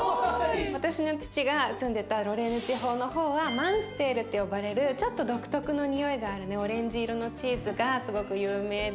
私の父が住んでたロレーヌ地方のほうはマンステールって呼ばれるちょっと独特のにおいがあるねオレンジ色のチーズがすごく有名で。